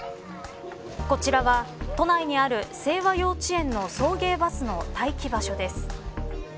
こちらは都内にある正和幼稚園の送迎バスの待機場所です。